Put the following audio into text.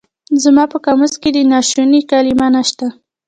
زما په قاموس کې د ناشوني کلمه نشته.